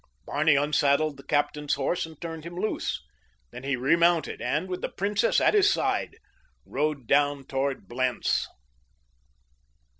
Barney unsaddled the captain's horse and turned him loose, then he remounted and, with the princess at his side, rode down toward Blentz.